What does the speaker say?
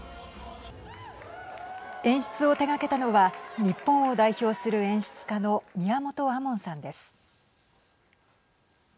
演出を手がけたのは日本を代表する演出家の宮本亞門さんです。